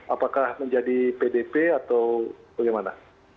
apakah menjadi pdp atau bagaimana